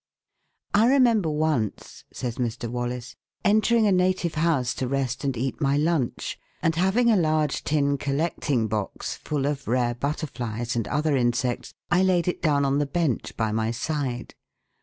"I remember once," says Mr. Wallace, "entering a native house to rest and eat my lunch ; and having a large tin collecting box full of rare butterfles and other insects, I laid it down on the bench by my side.